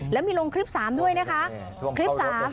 แล้วมีลงคลิป๓ด้วยนะคะคลิป๓